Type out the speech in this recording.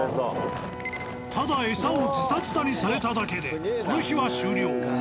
ただ餌をズタズタにされただけでこの日は終了。